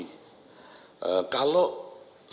kalau semua indikator ekonomi